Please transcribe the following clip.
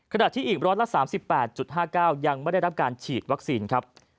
ขณะที่อีก๑๓๘๕๙ยังไม่ได้รับการฉีดวัคซีนครับ